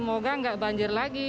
semoga nggak banjir lagi